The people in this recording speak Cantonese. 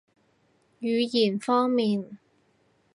語言方面